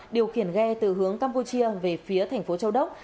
điều khiển ghe từ hướng campuchia về phía thành phố châu đốc